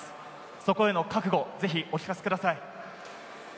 そこへの覚悟を聞かせてください。